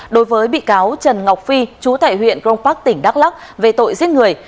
đối với bị cáo trần ngọc phi chú tại huyện grong park tỉnh đắk lắc về tội giết người